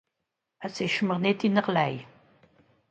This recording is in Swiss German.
Es ìsch mìr nìtt einerlei.